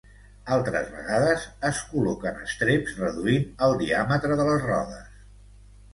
Altres vegades, es col·loquen estreps reduint el diàmetre de les rodes.